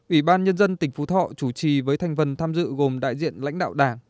ủy ban nhân dân tỉnh phú thọ chủ trì với thành phần tham dự gồm đại diện lãnh đạo đảng